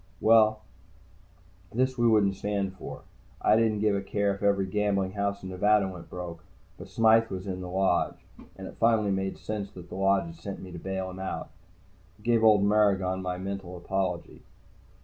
Well, this we wouldn't stand for. I didn't give a care if every gambling house in Nevada went broke. But Smythe was in the Lodge. And it finally made sense that the Lodge had sent me to bail him out. I gave old Maragon my mental apology.